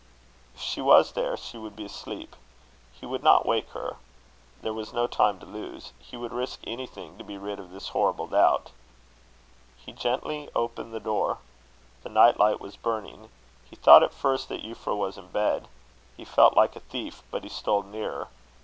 If she was there, she would be asleep. He would not wake her. There was no time to lose. He would risk anything, to be rid of this horrible doubt. He gently opened the door. The night light was burning. He thought, at first, that Euphra was in the bed. He felt like a thief, but he stole nearer.